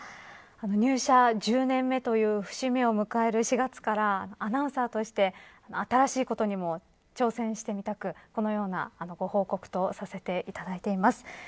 入社１０年目という節目を迎える４月からアナウンサーとして新しいことにも挑戦してみたくこのようなご報告とさせていただいています。